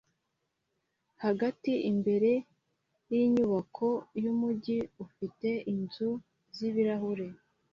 hagati imbere yinyubako yumujyi ufite inzugi zibirahure